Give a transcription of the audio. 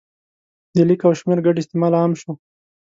د لیک او شمېر ګډ استعمال عام شو.